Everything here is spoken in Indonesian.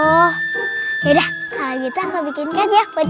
oh ya sudah kalau begitu aku akan membuatnya untuk kamu